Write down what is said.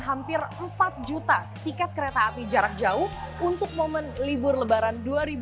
hampir empat juta tiket kereta api jarak jauh untuk momen libur lebaran dua ribu dua puluh